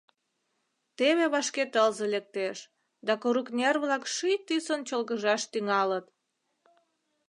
Теве вашке тылзе лектеш, да курыкнер-влак ший тӱсын чолгыжаш тӱҥалыт.